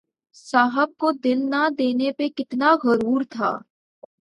صاحب کو دل نہ دینے پہ کتنا غرور تھا